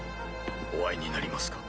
お会いになりますか？